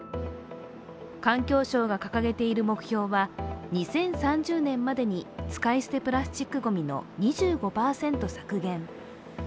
環境省が掲げている目標は２０３０年までに使い捨てプラスチックごみの２５％削減。